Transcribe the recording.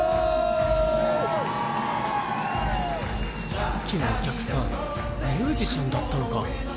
さっきのお客さんミュージシャンだったのか！